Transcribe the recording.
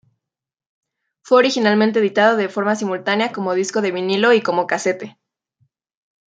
Fue originalmente editado de forma simultánea como disco de vinilo y como casete.